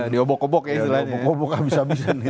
di obok obok ya